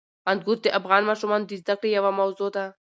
انګور د افغان ماشومانو د زده کړې یوه موضوع ده.